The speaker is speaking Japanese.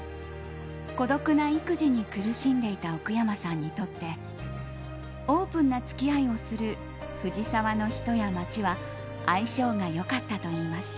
孤独な育児に苦しんでいた奥山さんにとってオープンな付き合いをする藤沢の人や街は相性が良かったといいます。